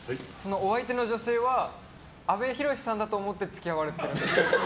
お相手の女性は阿部寛さんだと思って付き合われてるんですか？